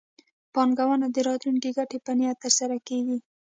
پانګونه د راتلونکي ګټې په نیت ترسره کېږي.